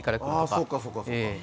ああそうかそうかそうか。